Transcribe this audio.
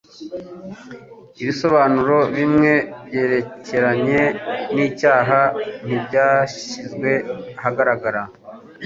Ibisobanuro bimwe byerekeranye nicyaha ntibyashyizwe ahagaragara.